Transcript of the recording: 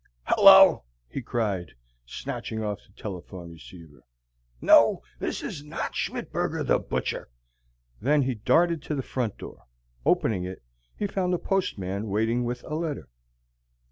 "Hello!" he cried, snatching off the telephone receiver. "No, this is not Schmittberger the butcher!" Then he darted to the front door. Opening it, he found the postman waiting with a letter.